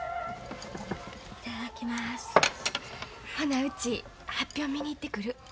ほなうち発表見に行ってくる。